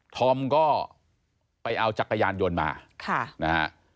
ธอมก็ไปเอาจักรยานยนต์มาค่ะนะฮะ